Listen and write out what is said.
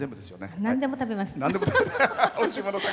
なんでも食べます。